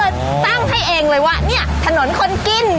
ตั้งให้เองเลยว่าเนี่ยถนนคนกิน